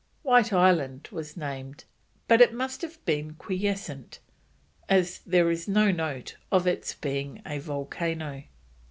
White Island was named, but it must have been quiescent as there is no note of its being a volcano.